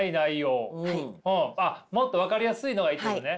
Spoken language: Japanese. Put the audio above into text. あっもっと分かりやすいのがいいってことね！